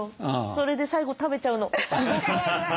それで最後食べちゃうの。